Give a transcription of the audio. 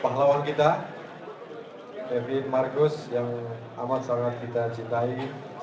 pak lawan kita david marcus yang amat sangat kita cintai